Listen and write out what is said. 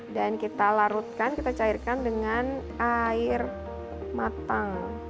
dan kita larutkan kita cairkan dengan air matang